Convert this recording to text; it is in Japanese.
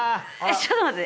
ちょっと待って。